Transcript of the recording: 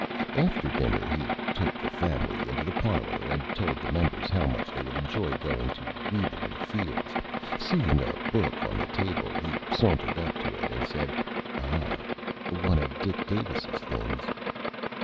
After Dinner he took the Family into the Parlor, and told the Members how much they would Enjoy going to Weber and Fields'. Seeing a Book on the Table, he sauntered up to It and said, "Ah, one of Dick Davis' Things."